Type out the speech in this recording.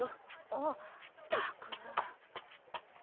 あったく。